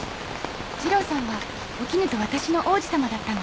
二郎さんはお絹と私の王子様だったの。